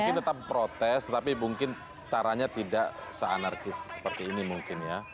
mungkin tetap protes tapi mungkin caranya tidak se anarkis seperti ini mungkin ya